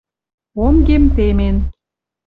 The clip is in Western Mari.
Онгем темен